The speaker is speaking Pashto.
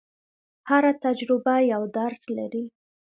هره تجربه یو درس لري.